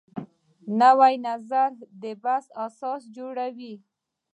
نوی نظر د بحث اساس جوړوي